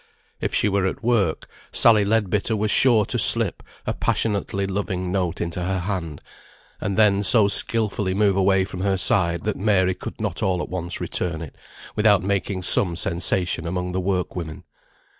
If she were at work, Sally Leadbitter was sure to slip a passionately loving note into her hand, and then so skilfully move away from her side, that Mary could not all at once return it, without making some sensation among the work women.